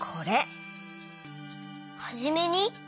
「はじめに」？